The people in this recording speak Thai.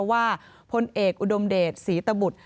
พลเอกอุดมเดชศรีตบุตร